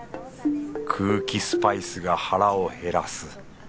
空気スパイスが腹を減らす。